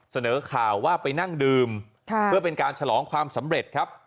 เสนอข่าวว่าไปนั่งดื่มเพื่อเป็นการฉลองความสำเร็จครับ